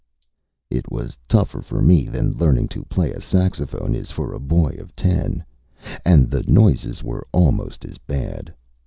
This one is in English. It was tougher for me than learning to play a saxophone is for a boy of ten. And the noises were almost as bad.